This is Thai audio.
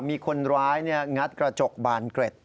มีคนร้ายงัดกระจกบานเกร็ด